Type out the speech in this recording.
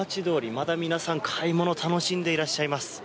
まだ皆さん、買い物を楽しんでいらっしゃいます。